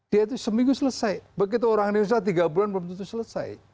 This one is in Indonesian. dia itu seminggu selesai begitu orang indonesia tiga bulan belum tentu selesai